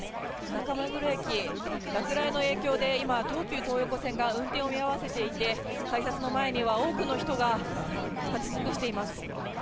中目黒駅、落雷の影響で今、東急東横線が運転を見合わせていて、改札の前には多くの人が立ちつくしています。